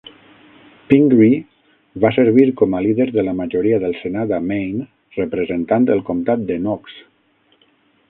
Pingree va servir com a líder de la majoria del senat a Maine representant el comtat de Knox.